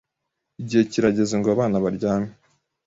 Igihe kirageze ngo abana baryame.